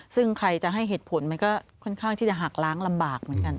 ซึ่งใครจะให้เหตุผลมันก็ค่อนข้างที่จะหักล้างลำบากเหมือนกัน